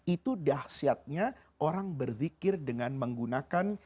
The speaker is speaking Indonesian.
itu dahsyatnya orang berzikir dengan menggunakan